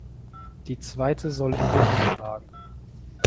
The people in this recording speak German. Die zweite soll in den Himmel ragen.